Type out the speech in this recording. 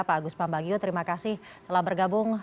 pak agus pambagio terima kasih telah bergabung